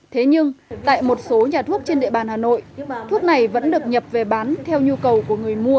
thế nhưng tại một số nhà thuốc trên địa bàn hà nội thuốc này vẫn được nhập về bán theo nhu cầu của người mua